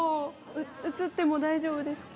映っても大丈夫ですか？